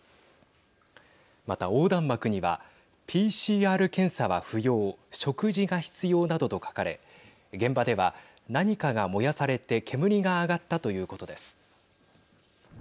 また、横断幕にはＰＣＲ検査は不要食事が必要などと書かれ現場では何かが燃やされて煙が上がったということです。